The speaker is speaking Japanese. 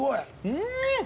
うん。